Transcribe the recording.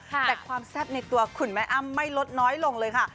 แต่ความแซ่บในตัวคุณแม่อ้ำไม่ลดน้อยลงเลยค่ะ